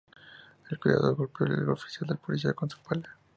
El Cuidador golpeó al oficial de policía con su pala.